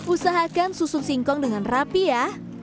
usahakan susun singkong dengan rapi ya